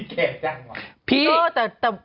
ทำไมร่วมดีแก่จังวะ